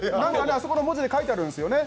あの文字に書いてあるんですよね。